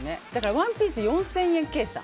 １ピース４０００円計算。